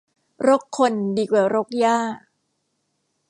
รกคนดีกว่ารกหญ้า